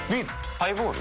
ハイボール？